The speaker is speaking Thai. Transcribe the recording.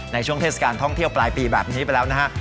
เทศกาลท่องเที่ยวปลายปีแบบนี้ไปแล้วนะฮะ